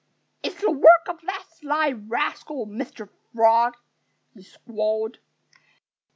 "It's the work of that sly rascal, Mr. Frog!" he squalled.